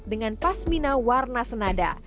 dengan pas mina warna senada